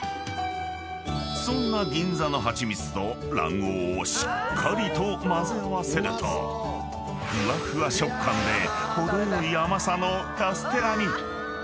［そんな銀座の蜂蜜と卵黄をしっかりと混ぜ合わせるとふわふわ食感で程よい甘さのカステラに］